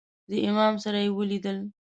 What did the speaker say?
له امام سره یې ولیدل.